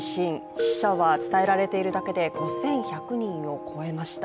死者は伝えられているだけで５１００人を超えました。